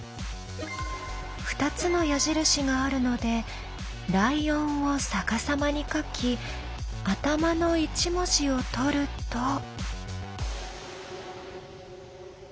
２つの矢印があるので「ｌｉｏｎ」を逆さまに書き頭の１文字を取ると。